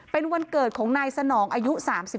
เป็นวันเกิดของนายสนองอายุ๓๒